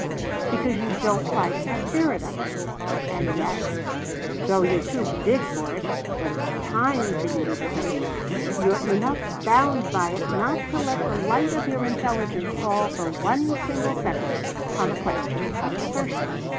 Because you don't like the spirit of it. And yet though you're too big for it though it's time for you to desert you're enough bound by it not to let the light of your intelligence fall for one single second on the question of desertion!"